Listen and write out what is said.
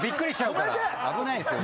危ないですよ。